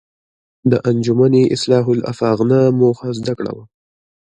د انجمن اصلاح الافاغنه موخه زده کړه وه.